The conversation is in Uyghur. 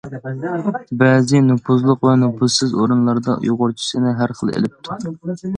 بەزى نوپۇزلۇق ۋە نوپۇزسىز ئورۇنلاردا ئۇيغۇرچىسىنى ھەر خىل ئېلىپتۇ.